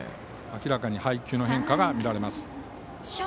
明らかに配球の変化が見られます。